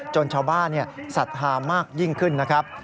จนชาวบ้านสัตว์ธามากยิ่งขึ้นนะครับ